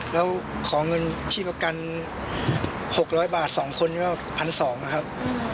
แล้วขอเงินที่ประกัน๖๐๐บาท๒คนก็๑๒๐๐นะครับ